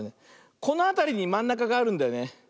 このあたりにまんなかがあるんだよね。